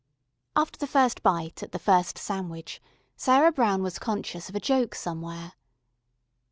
After the first bite at the first sandwich, Sarah Brown was conscious of a Joke somewhere.